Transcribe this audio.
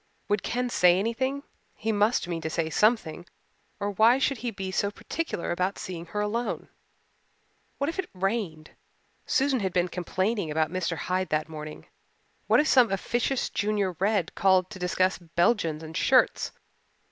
Would Ken say anything he must mean to say something or why should he be so particular about seeing her alone? What if it rained Susan had been complaining about Mr. Hyde that morning! What if some officious Junior Red called to discuss Belgians and shirts?